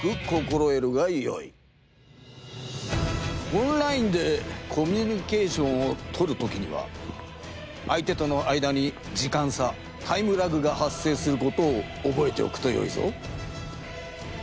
オンラインでコミュニケーションをとる時には相手との間にじかんさタイムラグが発生することをおぼえておくとよいぞ。